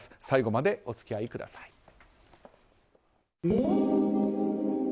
最後までお付き合いください。